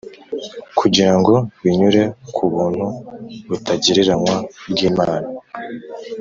kugira ngo binyure ku buntu butagereranywa bw’Imana